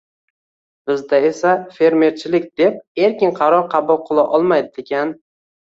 Bizda esa «fermerchilik» deb erkin qaror qabul qila olmaydigan